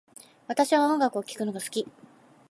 私は音楽を聴くのが好き